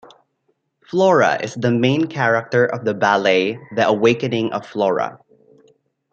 Flora is the main character of the ballet "The Awakening of Flora".